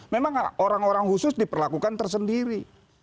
memang orang orang khusus diperlakukan tersendiri